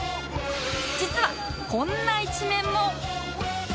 実はこんな一面も